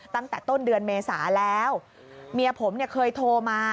ตั้งแต่ต้นเดือนเมษาแล้วเมียผมเนี่ยเคยโทรมา